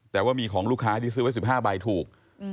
แต่ว่ามีของลูกค้าที่ซื้อไว้๑๕ใบถูก